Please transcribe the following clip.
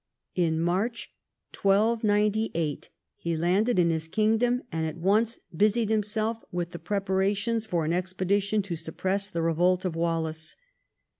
In March 1298 he landed in his kingdom, and at once busied himself with preparations for an expedition to suppress the revolt of Wallace.